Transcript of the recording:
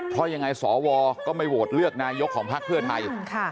เพราะยังไงสวก็ไม่โหวตเลือกนายกของพักเพื่อไทย